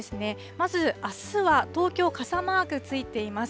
まずあすは東京、傘マークついています。